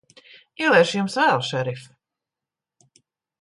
Ieliešu Jums vēl, šerif.